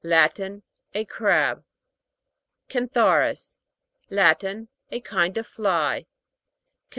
Latin. A crab. CAN'THARIS. Latin, A kind of fly.